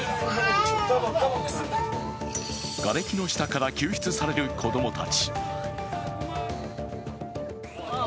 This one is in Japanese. がれきの下から救出される子供たち。